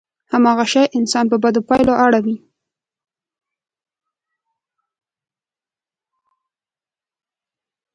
هماغه شی انسان په بدو پايلو اړوي.